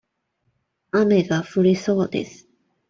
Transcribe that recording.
雨が降りそうです。